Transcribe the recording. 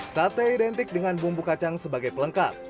sate identik dengan bumbu kacang sebagai pelengkap